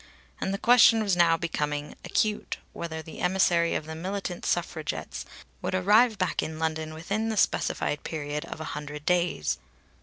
And the question was now becoming acute whether the emissary of the militant Suffragettes would arrive back in London within the specified period of a hundred days.